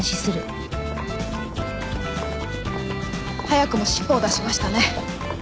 早くも尻尾を出しましたね。